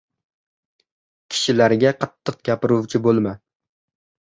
— Kishilarga qattiq gapiruvchi bo‘lma.